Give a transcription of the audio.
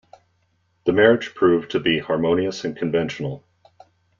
The marriage proved to be harmonious and conventional.